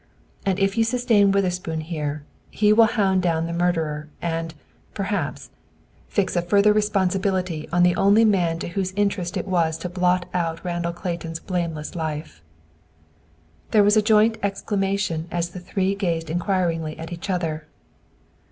"And if you sustain Witherspoon here, I will hound down the murderer, and, perhaps, fix a further responsibility on the only man to whose interest it was to blot out Randall Clayton's blameless life." There was a joint exclamation as the three gazed inquiringly at each other.